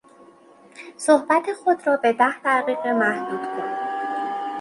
صحبت خود را به ده دقیقه محدود کن.